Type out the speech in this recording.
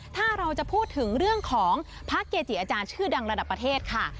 ถ้าเราจะพูดถึงเรื่องของพระเกจิอาจารย์ชื่อดังระดับประเทศค่ะ